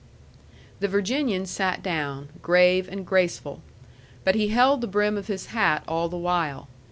The Virginian sat down, grave and graceful. But he held the brim of his hat all the while.